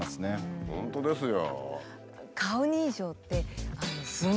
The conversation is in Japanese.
本当ですよ。